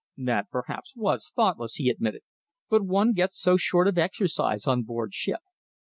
"That, perhaps, was thoughtless," he admitted, "but one gets so short of exercise on board ship."